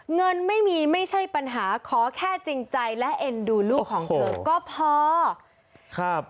เงินไม่มีไม่ใช่ปัญหาขอแค่จริงใจและเอ็นดูลูกของเธอก็พอครับ